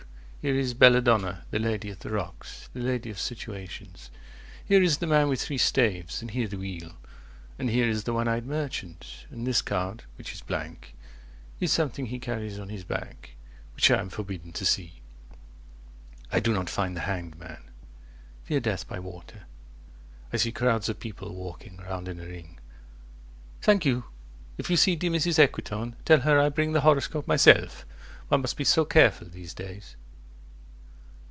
Here is Belladonna, the Lady of the Rocks, The lady of situations. 50 Here is the man with three staves, and here the Wheel, And here is the one eyed merchant, and this card, Which is blank, is something he carries on his back, Which I am forbidden to see. I do not find The Hanged Man. Fear death by water. 55 I see crowds of people, walking round in a ring. Thank you. If you see dear Mrs. Equitone, Tell her I bring the horoscope myself: One must be so careful these days.